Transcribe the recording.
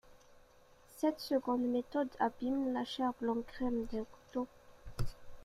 Cette seconde méthode abîme la chair blanc crème d’un couteau.